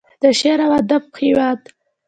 د شعر او ادب هیواد.